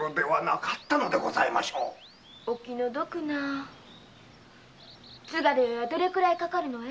お気の毒な津軽へはどのくらいかかるのえ？